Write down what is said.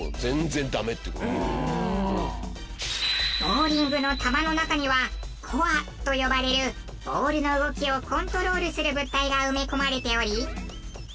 ボウリングの球の中にはコアと呼ばれるボールの動きをコントロールする物体が埋め込まれており。